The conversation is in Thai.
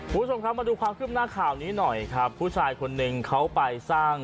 คุณผู้ชมครับมาดูความขึ้นหน้าข่าวนี้หน่อยครับผู้ชายคนหนึ่งเขาไปสร้าง